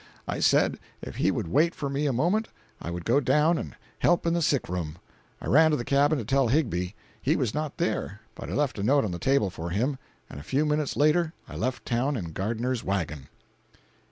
I said if he would wait for me a moment, I would go down and help in the sick room. I ran to the cabin to tell Higbie. He was not there, but I left a note on the table for him, and a few minutes later I left town in Gardiner's wagon.